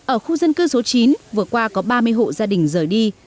ở khu dân cư số chín vừa qua có ba mươi hộ gia đình rời đi